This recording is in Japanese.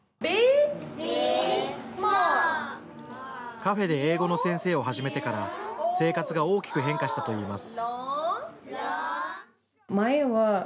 カフェで英語の先生を始めてから生活が大きく変化したといいます。